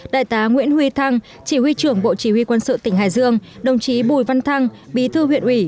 đại tá nguyễn huy thăng chỉ huy trưởng bộ chỉ huy quân sự tỉnh hải dương đồng chí bùi văn thăng bí thư huyện ủy